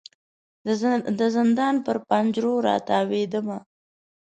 د زندان پر پنجرو را تاویدمه